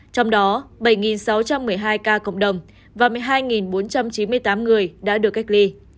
trong đó bảy sáu trăm một mươi hai ca cộng đồng và một mươi hai bốn trăm chín mươi tám người đã được cách ly